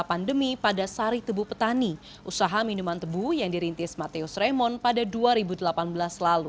pandemi pada sari tebu petani usaha minuman tebu yang dirintis mateus raymond pada dua ribu delapan belas lalu